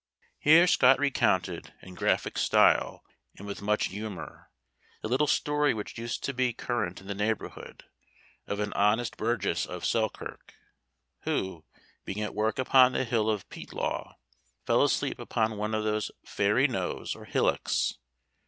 Here Scott recounted, in graphic style, and with much humor, a little story which used to be current in the neighborhood, of an honest burgess of Selkirk, who, being at work upon the hill of Peatlaw, fell asleep upon one of these "fairy knowes," or hillocks.